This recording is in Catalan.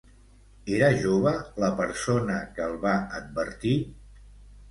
Era jove la persona que el va advertir?